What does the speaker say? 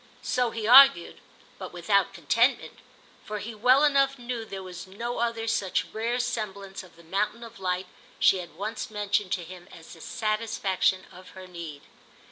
So he argued, but without contentment; for he well enough knew there was no other such rare semblance of the mountain of light she had once mentioned to him as the satisfaction of her need.